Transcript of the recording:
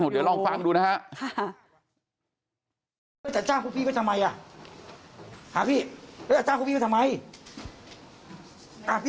เดี๋ยวลองฟังดูนะฮะ